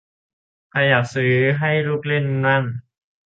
ใครอยากซื้อให้ลูกเล่นมั่ง